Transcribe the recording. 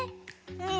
うん。